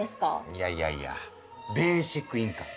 いやいやいや「ベーシックインカム」。